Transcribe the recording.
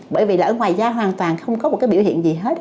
bởi vì là ở ngoài da hoàn toàn không có một cái biểu hiện gì hết